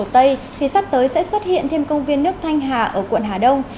thì sắp tới sẽ xuất hiện thêm công viên nước thanh hà ở quận hà đông